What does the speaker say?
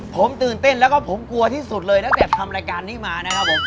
ผมตื่นเต้นแล้วก็ผมกลัวที่สุดเลยตั้งแต่ทำรายการนี้มานะครับผม